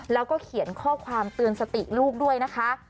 แล้วก็เขียนข้อความเตือนสติลูกด้วยนะคะ